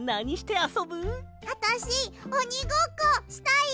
あたしおにごっこしたい！